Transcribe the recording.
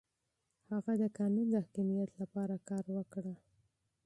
هغه د قانون د حاکميت لپاره کار وکړ.